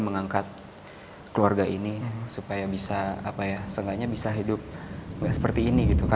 mengangkat keluarga ini supaya bisa apa ya seenggaknya bisa hidup nggak seperti ini gitu kan